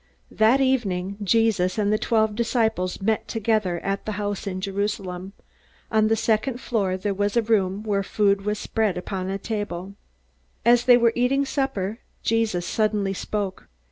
That evening Jesus and the twelve disciples met together at the house in Jerusalem. On the second floor there was a room, where food was spread upon the table. As they were eating supper, Jesus suddenly spoke.